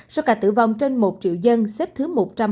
số ca tử vong trên một triệu dân xếp thứ một trăm hai mươi tám